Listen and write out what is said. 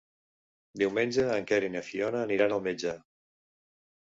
Diumenge en Quer i na Fiona aniran al metge.